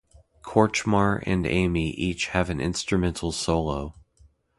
Kortchmar and Amy each have an instrumental solo.